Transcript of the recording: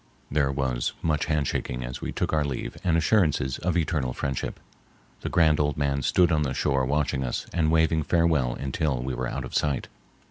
There was much hand shaking as we took our leave and assurances of eternal friendship. The grand old man stood on the shore watching us and waving farewell until we were out of sight.